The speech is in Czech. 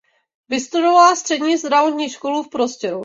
Vystudovala Střední zdravotní školu v Prostějově.